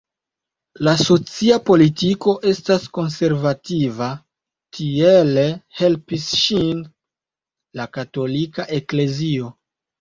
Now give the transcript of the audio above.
La socia politiko estas konservativa, tiele helpis ŝin la Katolika eklezio.